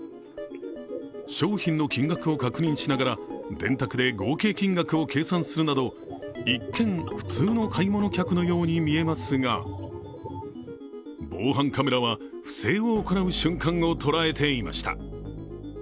商品の金額を確認しながら電卓で合計金額を計算するなど一見、普通の買い物客のように見えますが防犯カメラは不正を行う瞬間を捉えていました。